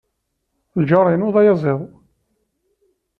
Lǧar-inu d ayaẓiḍ.